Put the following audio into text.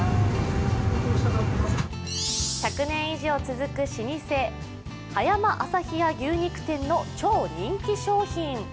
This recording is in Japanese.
１００年以上続く老舗葉山旭屋牛肉店の超人気商品。